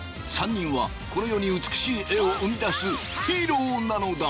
３人はこの世に美しい絵を生み出すヒーローなのだ！